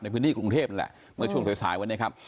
พื้นที่กรุงเทพนั่นแหละเมื่อช่วงสายสายวันนี้ครับ